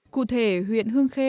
cụ thể huyện hương khê